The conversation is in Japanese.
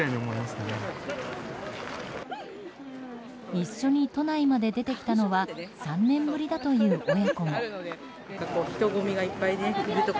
一緒に都内まで出てきたのは３年ぶりだという親子も。